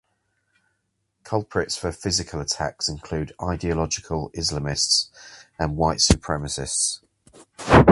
Culprits for physical attacks include ideological Islamists and white supremacists.